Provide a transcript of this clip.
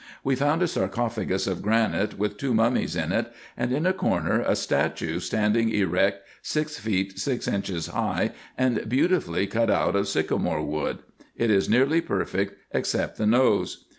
We found a sarcophagus of granite, with two mummies in it, and in a corner a statue standing erect, six feet six inches high, and beauti fully cut out of sycamore wood : it is nearly perfect except the nose.